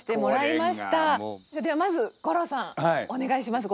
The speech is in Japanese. それではまず五郎さんお願いします。